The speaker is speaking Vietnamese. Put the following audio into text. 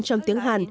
trong tiếng hàn